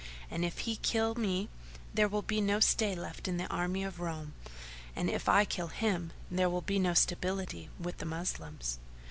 And if he kill me, there will be no stay left in the army of Roum, and if I kill him, there will be no stability with the Moslems."